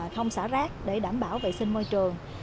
không xả rác để đảm bảo vệ sinh môi trường